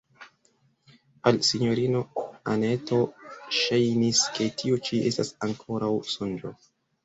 Al sinjorino Anneto ŝajnis, ke tio ĉi estas ankoraŭ sonĝo.